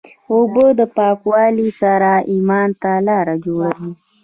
اوبه د پاکوالي سره ایمان ته لاره جوړوي.